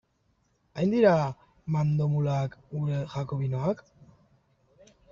Hain dira mandomulak gure jakobinoak?